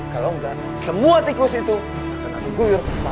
kalau enggak semua tikus itu akan ada guyur pada malam